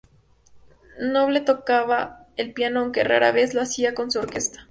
Noble tocaba el piano, aunque rara vez lo hacía con su orquesta.